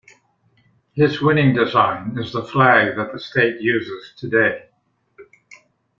His winning design is the flag that the state uses today.